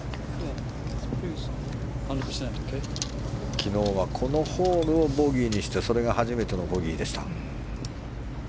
昨日はこのホールをボギーにしてそれが初めてのボギーでした。